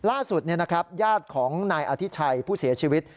ล่าสุดญาติของนายอธิชัยผู้เสียชีวิต